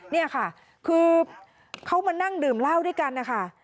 นี่ค่ะคือเขามานั่งดื่มเหล้าด้วยกันนะคะ